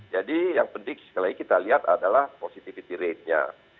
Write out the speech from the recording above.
jadi yang penting sekali lagi kita lihat adalah positifity ratenya